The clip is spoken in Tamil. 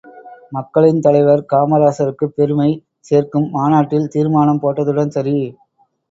மக்களின் தலைவர் காமராசருக்குப் பெருமை சேர்க்கும் மாநாட்டில் தீர்மானம் போட்டதுடன் சரி!